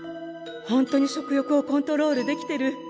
ホントに食欲をコントロールできてる。